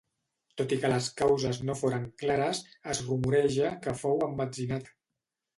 Tot i que les causes no foren clares, es rumoreja que fou emmetzinat.